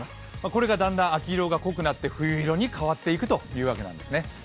これがだんだん秋色が濃くなって冬色に変わっていくというわけなんですね。